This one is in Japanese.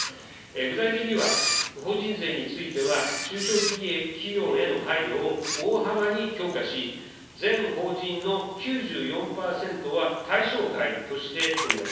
具体的には、法人税については中小企業への配慮を大幅に強化し、全法人の９４％は対象外としております。